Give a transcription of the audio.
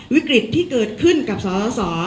วิกฤตที่เกิดขึ้นกับสส